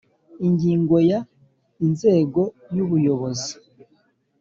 Ingingo ya Inzego y ubuyobozi